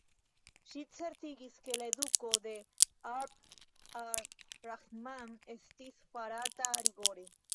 Ŝi certigis ke la eduko de Abd ar-Rahman estis farata rigore.